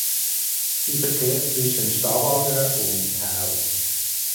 Sie verkehrt zwischen Stavanger und Tau.